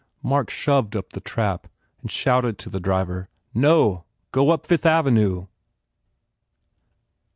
Mark shoved up the trap and shouted to the driver, "No! Go up Fifth Avenue!"